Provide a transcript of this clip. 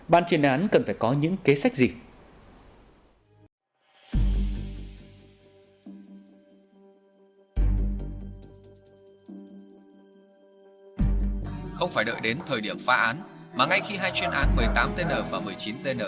ban chuyên án cần phải có những kế hoạch để phá án thành công